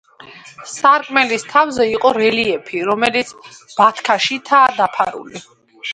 სარკმლის თავზე იყო რელიეფი, რომელიც ბათქაშითაა დაფარული.